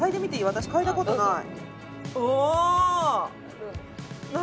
私嗅いだことない